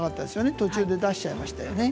途中で出してしまいましたよね。